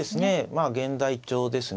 まあ現代調ですね。